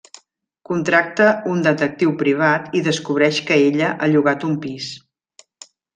Contracta un detectiu privat i descobreix que ella ha llogat un pis.